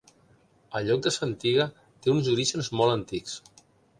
El lloc de Santiga té uns orígens molt antics.